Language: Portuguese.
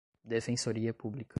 Defensoria Pública